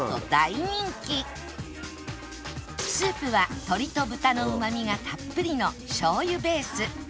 スープは鶏と豚のうまみがたっぷりの醤油ベース